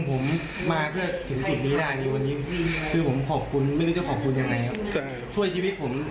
ผมจะได้เจอหน้าภรรยาหน้าครอบครัวไหม